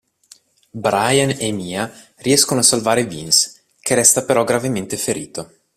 Brian e Mia riescono a salvare Vince, che resta però gravemente ferito.